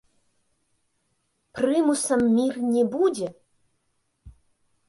Прымусам мір не будзе?